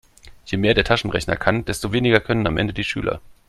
Je mehr der Taschenrechner kann, desto weniger können am Ende die Schüler.